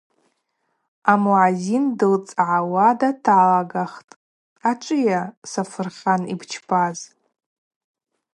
Амуъазин дылцӏгӏауа даталагахтӏ: – Ачӏвыйа, Сафырхан, йбчпаз?